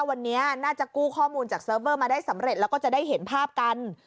วันนี้น่าจะกู้ข้อมูลจากเซิร์ฟเวอร์มาได้สำเร็จแล้วก็จะได้เห็นภาพกัน